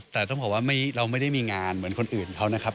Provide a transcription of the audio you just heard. แต่ต้องบอกว่าเราไม่ได้มีงานเหมือนคนอื่นเขานะครับ